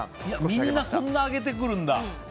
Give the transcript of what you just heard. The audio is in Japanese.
みんな、こんな上げてくるんだ。